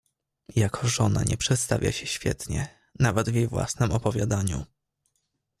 "Jako żona nie przedstawia się świetnie, nawet w jej własnem opowiadaniu."